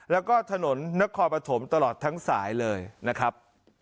แล้วก็ถนนนครปฐมตลอดทั้งสายเลยนะครับ